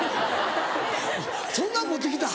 そんなん持って来た？